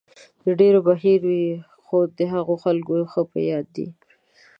د ډېرو به هېر وي، خو د هغو خلکو ښه په یاد دی.